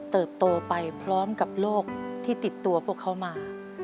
เติบโตไปพร้อมกับโรคที่ติดตัวพวกเขามา